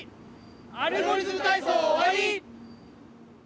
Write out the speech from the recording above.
「アルゴリズムたいそう」おわり！